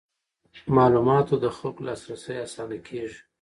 معلوماتو ته د خلکو لاسرسی اسانه کیږي.